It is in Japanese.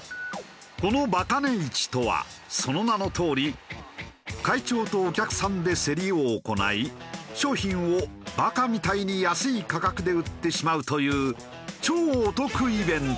このバカ値市とはその名のとおり会長とお客さんで競りを行い商品をバカみたいに安い価格で売ってしまうという超お得イベント。